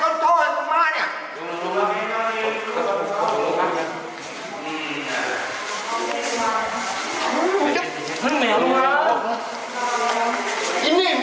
โอ้โหเนี่ย